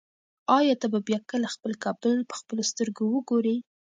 ایا ته به بیا کله خپل کابل په خپلو سترګو وګورې؟